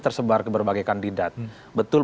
tersebar ke berbagai kandidat betul